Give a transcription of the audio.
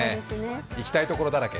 行きたいところだらけ。